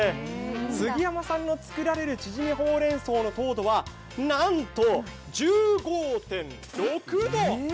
杉山さんの作られるちぢみほうれん草の糖度はなんと１５．６度！